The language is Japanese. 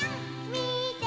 「みて」